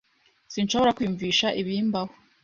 Sinshobora kwiyumvisha ibimbaho.